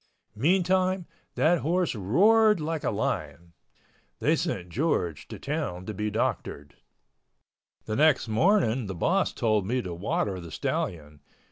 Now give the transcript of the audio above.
Meantime that horse roared like a lion. They sent George to town to be doctored. The next morning the boss told me to water the stallion.